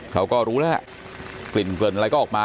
เขาก็รู้แล้วกลิ่นเกริ่นอะไรก็ออกมา